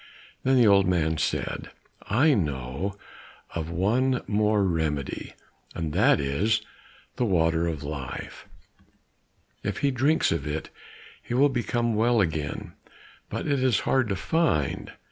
Then the old man said, "I know of one more remedy, and that is the water of life; if he drinks of it he will become well again; but it is hard to find."